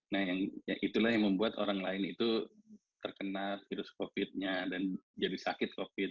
nah itulah yang membuat orang lain itu terkena virus covid nya dan jadi sakit covid